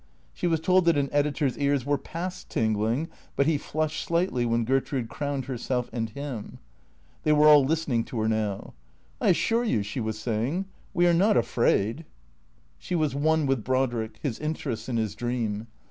She was told that an editor's ears were past tingling. But he flushed slightly when Gertrude crowned herself and him. They were all listening to her now. " I assure you," she was saying, " we are not afraid." 410 T H E C K E A T 0 R S She was one with Brodrick, his interests and his dream.